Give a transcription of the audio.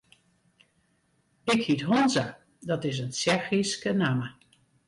Ik hyt Honza, dat is in Tsjechyske namme.